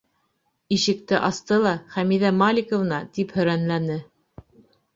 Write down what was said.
Ишекте асты ла, Хәмиҙә Маликовна, тип һөрәнләне.